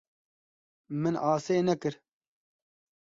Min asê nekir.